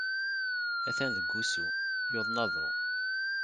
Atan deg wusu. Yuḍen aḍu.